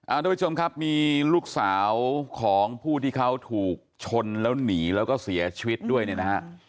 ทุกผู้ชมครับมีลูกสาวของผู้ที่เขาถูกชนแล้วหนีแล้วก็เสียชีวิตด้วยเนี่ยนะฮะ